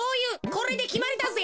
これできまりだぜ。